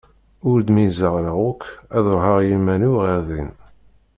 Ur d-meyyzeɣ ara yakk ad ruḥeɣ i iman-iw ɣer din.